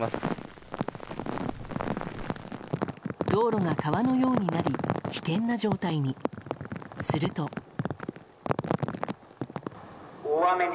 道路が川のようになり危険な状態に。